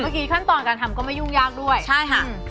เมื่อกี้ขั้นตอนการทำก็ไม่ยุ่งยากใช่ค่ะ